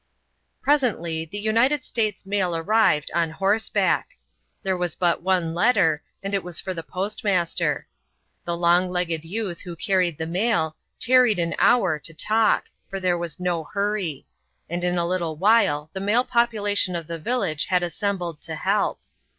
Presently the United States mail arrived, on horseback. There was but one letter, and it was for the postmaster. The long legged youth who carried the mail tarried an hour to talk, for there was no hurry; and in a little while the male population of the village had assembled to help.